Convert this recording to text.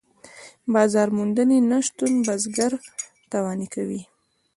د بازار موندنې نشتون بزګر تاواني کوي.